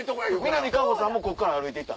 南果歩さんもここから歩いた？